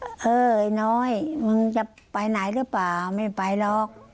เฮ้ยไอ้น้อยมึงจะไปไหนหรือเปล่าไม่ไปหรอก